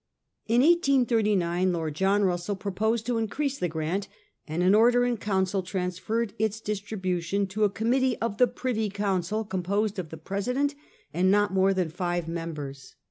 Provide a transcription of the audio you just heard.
In 1839 Lord John Russell proposed to increase the grant, and an Order in Council transferred its distri bution to a Committee of the Privy Council composed of the president and not more than five members.